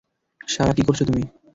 সারা, কি করছো তুমি?